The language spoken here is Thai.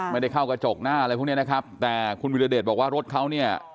ไม่ได้เข้ากระจกหน้าอะไรพวกนี้นะครับแต่คุณวิรเดชบอกว่ารถเขาเนี่ย